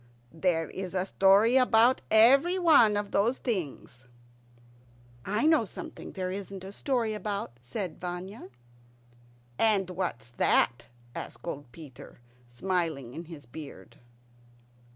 "There is a story about everyone of those things." "I know something there isn't a story about," said Vanya. "And what's that?" asked old Peter, smiling in his beard.